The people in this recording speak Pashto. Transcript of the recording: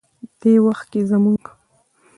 دې وخت کې زموږ